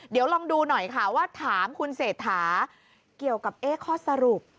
เดี๋ยวลองดูหน่อยค่ะว่าถามคุณเศรษฐาเกี่ยวกับข้อสรุป